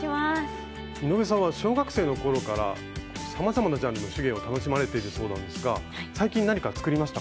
井上さんは小学生の頃からさまざまなジャンルの手芸を楽しまれているそうなんですが最近何か作りましたか？